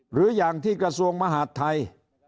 หรืออย่างที่กระทรวงมหาดไทย